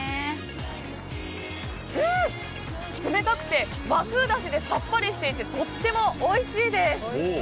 冷たくて和風だしで、さっぱりしていてとってもおいしいです。